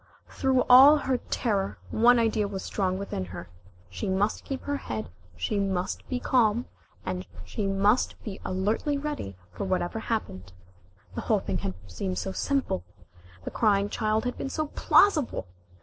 Through all her terror one idea was strong within her. She must keep her head, she must be calm, she must be alertly ready for whatever happened. The whole thing had seemed so simple. The crying child had been so plausible!